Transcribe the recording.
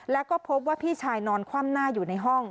แล้วก็พบว่าพี่ชายนอนคว่ำหน้าอยู่ในห้อง